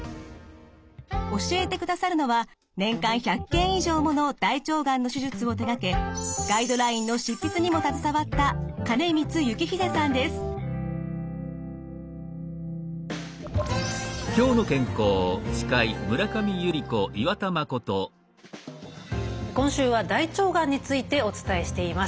教えてくださるのは年間１００件以上もの大腸がんの手術を手がけガイドラインの執筆にも携わった今週は大腸がんについてお伝えしています。